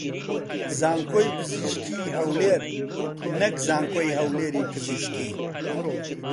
زانکۆی پزیشکیی هەولێر نەک زانکۆی هەولێری پزیشکی